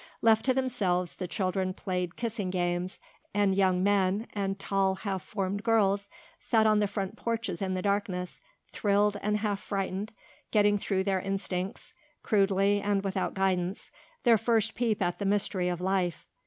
Left to themselves the children played kissing games and young men and tall half formed girls sat on the front porches in the darkness, thrilled and half frightened, getting through their instincts, crudely and without guidance, their first peep at the mystery of life.